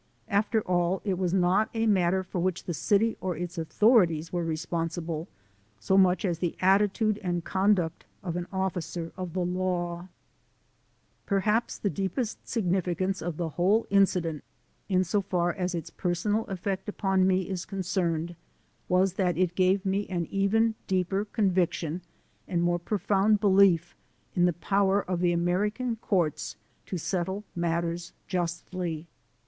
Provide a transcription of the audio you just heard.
After all, it was not a matter for which the city or its authorities were responsible, so much as the attitude and conduct of an officer of the law. I GO TO JAIL ONCE MORE 269 Perhaps the deepest significance of the whole in cident, in so far as its personal effect upon me is concerned, was that it gave me an even deeper con viction and more profound belief in the power of the American courts to settle matters justly.